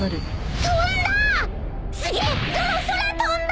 ［飛んだ！